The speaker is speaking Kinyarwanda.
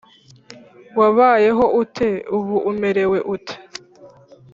wabayeho ute? Ubu umerewe ute?”